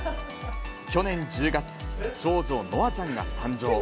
去年１０月、長女、乃愛ちゃんが誕生。